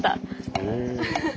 へえ。